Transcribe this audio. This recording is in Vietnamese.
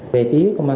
về chí công an tỉnh